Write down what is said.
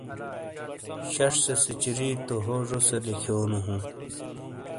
شش سے سیچری تو ہو ژوسے لیکھیونو ہوں۔